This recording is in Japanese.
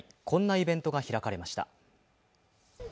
こんなイベントが開かれました。